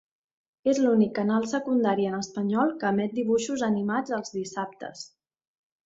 És l'únic canal secundari en espanyol que emet dibuixos animats els dissabtes.